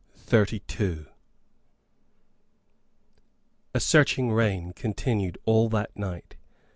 CHAPTER XXXII A searching rain continued all that night.